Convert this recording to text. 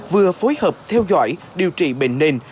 vừa phối hợp theo dõi điều trị bệnh nền